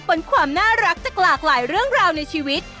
บนความน่ารักจากหลากหลายเรื่องราวในชีวิต